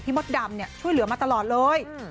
มดดำช่วยเหลือมาตลอดเลย